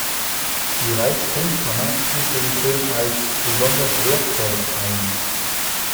Die Reichsfilmkammer stufte den Film als „besonders wertvoll“ ein.